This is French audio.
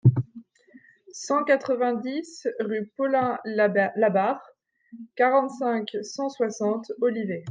cent quatre-vingt-dix rue Paulin Labarre, quarante-cinq, cent soixante, Olivet